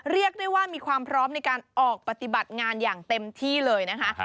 เรียกได้ว่ามีความพร้อมในการออกปฏิบัติงานอย่างเต็มที่เลยนะคะ